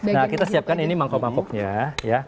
nah kita siapkan ini mangkuk mangkuknya ya